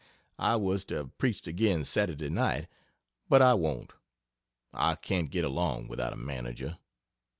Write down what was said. I was to have preached again Saturday night, but I won't I can't get along without a manager.